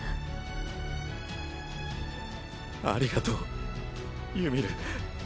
ありがとうユミル。